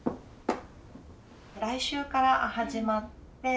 「来週から始まって」。